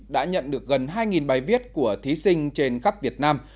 đã nhận được gần hai bài viết của thí sinh trên khắp việt nam